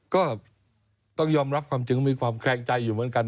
ก็ต้องยอมรับความจริงมีความแคลงใจอยู่เหมือนกัน